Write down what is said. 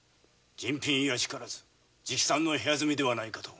人品卑しからず直参の部屋住みではないかと。